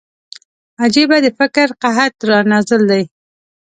عجيبه د فکر قحط را نازل دی